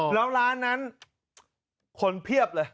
แล้วร้านนั้นคนเพียบเลย